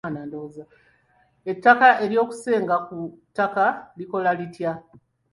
Etteeka ery'okusenga ku ttaka likola litya?